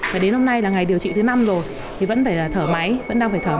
và đến hôm nay là ngày điều trị thứ năm rồi thì vẫn phải thở máy vẫn đang khuyến khích